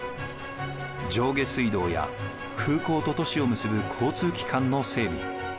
上下水道や空港と都市を結ぶ交通機関の整備。